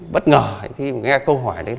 bất ngờ khi nghe câu hỏi đấy